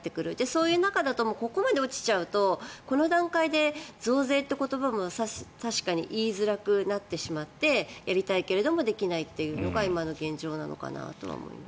そういう中だとここまで落ちちゃうとこの段階で増税という言葉も確かに言いづらくなってやりたいけどもできないというのが今の現状なのかなとは思います。